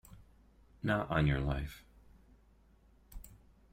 Not on your life!